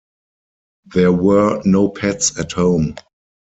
There were no pets at home.